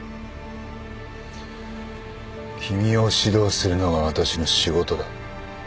君を指導するのが私の仕事だ。